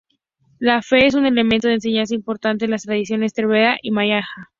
La fe es un elemento de enseñanza importante en las tradiciones Theravada y Mahayana.